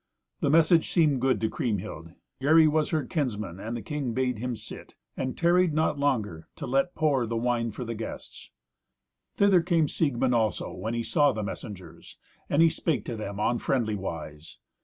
The message seemed good to Kriemhild. Gary was her kinsman; and the king bade him sit, and tarried not longer to let pour the wine for the guests. Thither came Siegmund also, when he saw the messengers, and he spake to them on friendly wise.